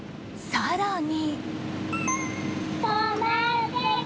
更に。